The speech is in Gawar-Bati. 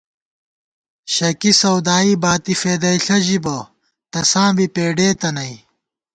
شکی سَودائی باتی فېدَئیݪہ ژِبہ، تساں بی پېڈېتہ نئ